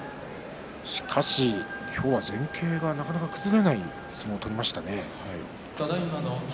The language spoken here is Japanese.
しかし今日は前傾が崩れない相撲を取りましたね。